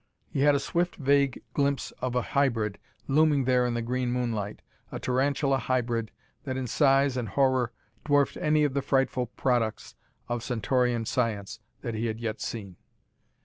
He had a swift vague glimpse of a hybrid looming there in the green moonlight a tarantula hybrid that in size and horror dwarfed any of the frightful products of Centaurian science that he had yet seen.